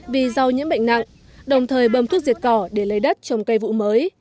vì rau nhiễm bệnh nặng đồng thời bâm thuốc diệt cỏ để lấy đất trồng cây vụ mới